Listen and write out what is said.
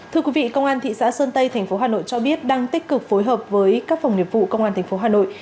thưa quý vị công an thị xã sơn tây thành phố hà nội cho biết đang tích cực phối hợp với các phòng nghiệp vụ công an thành phố hà nội